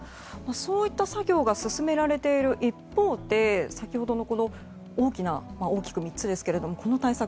そういった作業が進められている一方で先ほどの大きく３つの対策。